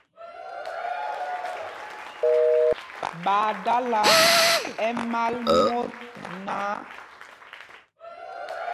Ɓaa dala ɛmal mot náǎ.